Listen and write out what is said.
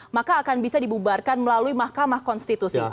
maka akan bisa dibubarkan melalui mahkamah konstitusi